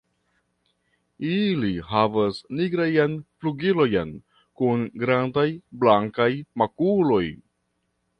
Ili havas nigrajn flugilojn kun grandaj blankaj makuloj.